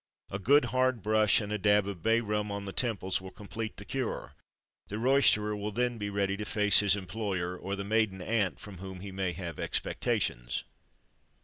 A good hard brush, and a dab of bay rum on the temples will complete the cure; the roysterer will then be ready to face his employer, or the maiden aunt from whom he may have expectations.